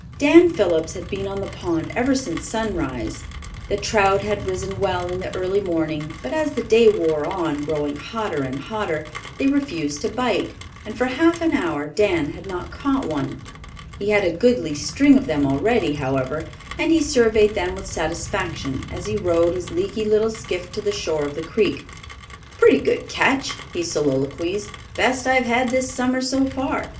Dan Phillips had been on the pond ever since sunrise. The trout had risen well in the early morning, but as the day wore on, growing hotter and hotter, they refused to bite, and for half an hour Dan had not caught one. He had a goodly string of them already, however, and he surveyed them with satisfaction as he rowed his leaky little skiff to the shore of the creek. "Pretty good catch," he soliloquized. "Best I've had this summer, so far.